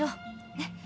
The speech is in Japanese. ねっ。